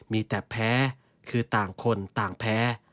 มีแต่แพ้คือต่างคนต่างแพ้